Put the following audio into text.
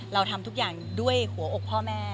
เราทำทุกอย่างด้วยหัวอกพ่อแม่